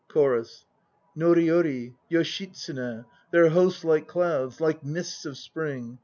CHORUS. Noriyori, Yoshitsune, their hosts like clouds, Like mists of spring.